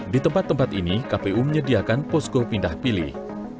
di tempat tempat ini kpu menyediakan posko pindah pilih